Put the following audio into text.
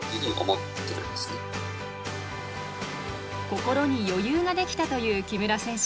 心に余裕ができたという木村選手。